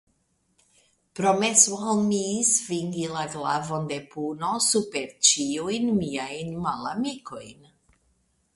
Promesu al mi svingi la glavon de puno super ĉiujn miajn malamikojn.